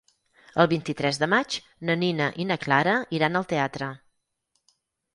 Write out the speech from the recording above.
El vint-i-tres de maig na Nina i na Clara iran al teatre.